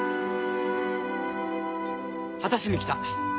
果たしに来た。